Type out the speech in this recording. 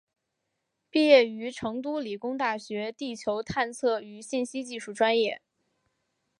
毕业于成都理工大学地球探测与信息技术专业。